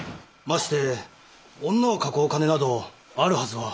まして女を囲う金などあるはずは。